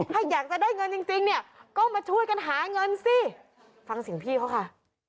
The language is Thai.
ถ้าอยากจะได้เงินจริงจริงเนี่ยก็มาช่วยกันหาเงินสิฟังเสียงพี่เขาค่ะ